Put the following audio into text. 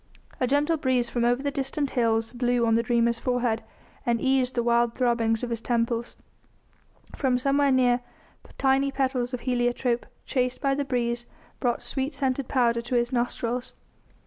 A gentle breeze from over the distant hills blew on the dreamer's forehead and eased the wild throbbings of his temples; from somewhere near tiny petals of heliotrope, chased by the breeze, brought sweet scented powder to his nostrils.